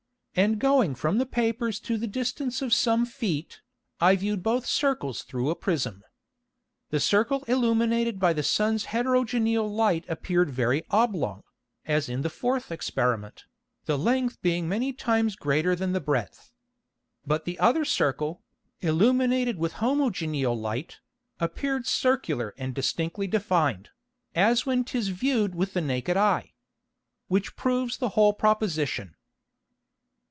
And going from the Papers to the distance of some Feet, I viewed both Circles through a Prism. The Circle illuminated by the Sun's heterogeneal Light appeared very oblong, as in the fourth Experiment, the Length being many times greater than the Breadth; but the other Circle, illuminated with homogeneal Light, appeared circular and distinctly defined, as when 'tis view'd with the naked Eye. Which proves the whole Proposition.